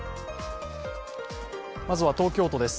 まずは東京都です。